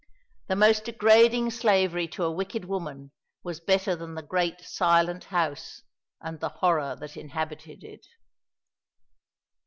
The most degrading slavery to a wicked woman was better than the great silent house and the horror that inhabited it.